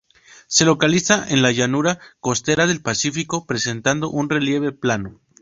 Se localiza en la Llanura Costera del Pacífico, presentando un relieve plano.